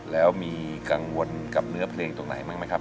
แล้วมีกังวลกับเนื้อเพลงตรงไหนบ้างไหมครับ